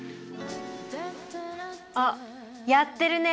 あっやってるねえ。